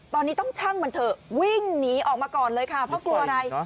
ตอนนี้ต้องชั่งมันเถอะวิ่งหนีออกมาก่อนเลยค่ะเพราะกลัวอะไร